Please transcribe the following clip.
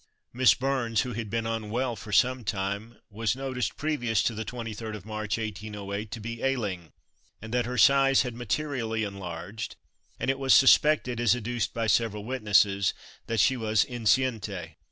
Miss Burns, who had been unwell for some time, was noticed previous to the 23rd of March, 1808, to be ailing, and that her size had materially enlarged; and it was suspected, as adduced by several witnesses, that she was enceinte.